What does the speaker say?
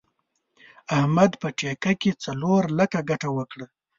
احمد په ټېکه کې څلور لکه ګټه وکړه.